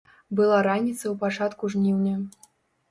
Была раніца ў пачатку жніўня.